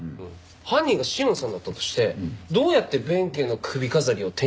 犯人が紫苑さんだったとしてどうやって弁慶の首飾りを手に入れたのか。